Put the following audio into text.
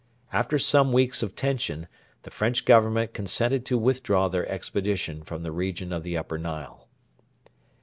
After some weeks of tension, the French Government consented to withdraw their expedition from the region of the Upper Nile.